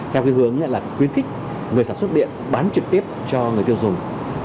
theo cái hướng là khuyến khích người sản xuất điện bán trực tiếp cho người tiêu dùng